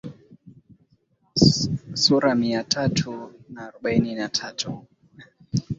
sura mia tatu na arobaini na tatu